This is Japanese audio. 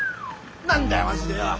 何だよマジでよ。